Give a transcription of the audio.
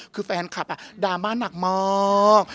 คือแฟนคลับดราม่าหนักมาก